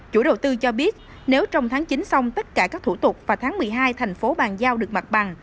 chủ đầu tư cho biết nếu trong tháng chín xong tất cả các thủ tục và tháng một mươi hai thành phố bàn giao được mặt bằng